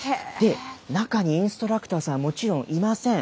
中にインストラクターさん、もちろんいません。